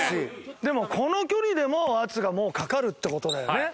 でもこの距離でも圧がもうかかるって事だよね。